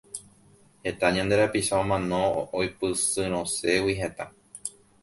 Heta ñande rapicha omano oipysyrõségui hetã.